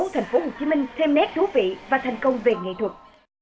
thành phố hồ chí minh thêm nét thú vị và thành công về nghệ thuật